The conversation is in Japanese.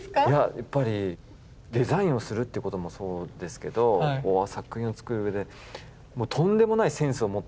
やっぱりデザインをするっていうこともそうですけど作品を作るうえでとんでもないセンスを持ってたと思うんですよ。